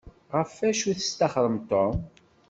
Ɣef acu i testaxṛem Tom?